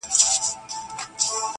• خو زه.